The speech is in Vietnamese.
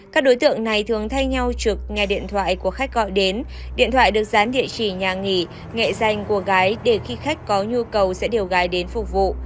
các đối tượng này thường thay nhau trực nghe điện thoại của khách gọi đến điện thoại được dán địa chỉ nhà nghỉ nghệ danh của gái để khi khách có nhu cầu sẽ điều gái đến phục vụ